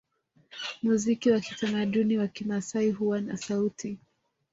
Muziki wa kitamaduni wa Kimasai huwa na sauti